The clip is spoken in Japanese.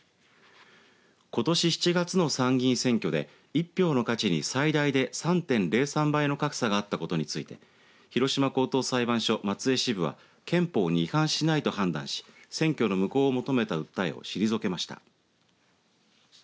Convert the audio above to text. ことし７月の参議院選挙で１票の価値に最大で３．０３倍の格差があったことについて広島高等裁判所松江支部は憲法に違反しないと判断し選挙の無効を求めた訴えを退けました。